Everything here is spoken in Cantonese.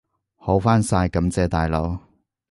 好返晒，感謝大佬！